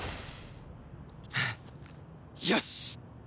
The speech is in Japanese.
よし！